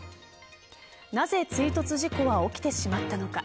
なぜ追突事故は起きてしまったのか。